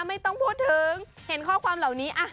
ไม่ต้องพูดถึงเห็นข้อความเหล่านี้